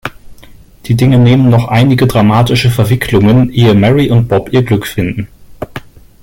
Die Dinge nehmen noch einige dramatische Verwicklungen, ehe Mary und Bob ihr Glück finden.